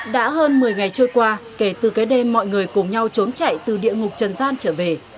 đã hơn một mươi ngày trôi qua kể từ cái đêm mọi người cùng nhau trốn chạy từ địa ngục trần gian trở về